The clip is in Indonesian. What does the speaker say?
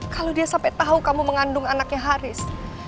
kalau dia sampai tahu kamu mengandung anaknya haris